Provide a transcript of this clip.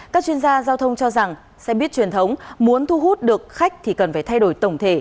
các chuyên gia giao thông cho rằng xe buýt truyền thống muốn thu hút được khách thì cần phải thay đổi tổng thể